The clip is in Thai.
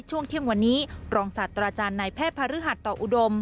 ช่วงเข้มวันนี้รองศาสตร์ตราจารย์นายแพร่พระฤหัสต่ออุดม